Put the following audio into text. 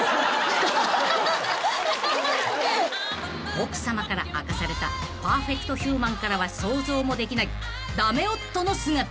［奥さまから明かされたパーフェクトヒューマンからは想像もできない駄目夫の姿］